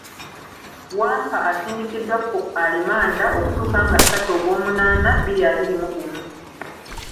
Wampa asindikiddwa ku alimanda okutuuka nga satu ogwomunaana, bbiri abiri mu gumu.